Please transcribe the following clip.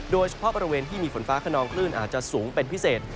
โดยเฉพาะบริเวณที่มีฝนฟ้าขนองคลื่นอาจจะสูงเป็นพิเศษ